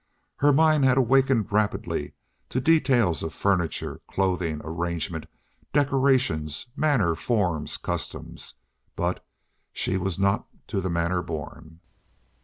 Her mind had awakened rapidly to details of furniture, clothing, arrangement, decorations, manner, forms, customs, but—she was not to the manner born.